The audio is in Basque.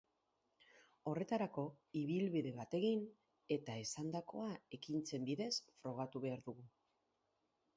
Horretarako ibilbide bat egin eta esandakoa ekintzen bidez frogatu behar dugu.